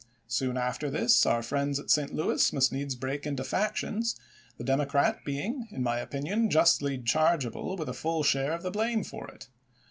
Soon after this, our friends at St. Louis must needs break into factions, the ' Democrat ' being, in my opinion, justly chargeable with a full share of the blame for it.